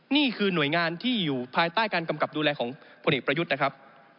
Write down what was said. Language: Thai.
นี่คือหน่วยงานที่อยู่ภายใต้การกำกับดูแลของพลเอกประยุทธ์นะครับ